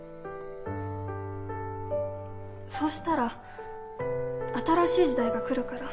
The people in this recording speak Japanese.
そうしたら新しい時代が来るから。